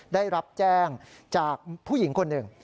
ได้รับแจ้งจากผู้หญิงคนหนึ่ง